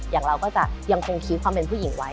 อย่างเราก็จะยังคงคิดความเป็นผู้หญิงไว้